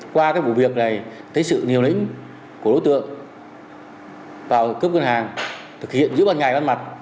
qua cái vụ việc này thấy sự liều lĩnh của đối tượng vào cướp ngân hàng thực hiện giữa ban ngày ban mặt